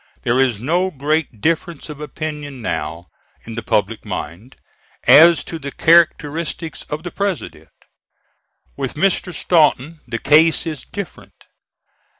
There is no great difference of opinion now, in the public mind, as to the characteristics of the President. With Mr. Stanton the case is different.